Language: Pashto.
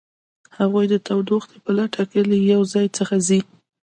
هغوی د تودوخې په لټه کې له یو ځای څخه ځي